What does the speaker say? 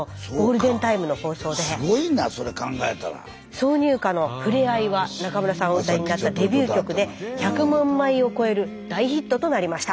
挿入歌の「ふれあい」は中村さんお歌いになったデビュー曲で１００万枚を超える大ヒットとなりました。